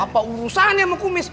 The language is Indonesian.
apa urusan ya sama kumis